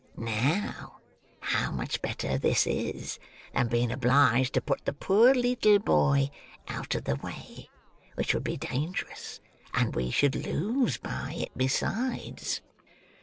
Now, how much better this is, than being obliged to put the poor leetle boy out of the way—which would be dangerous, and we should lose by it besides."